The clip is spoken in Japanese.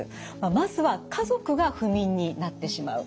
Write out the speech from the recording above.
まずは家族が不眠になってしまう。